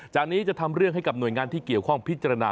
จากนี้จะทำเรื่องให้กับหน่วยงานที่เกี่ยวข้องพิจารณา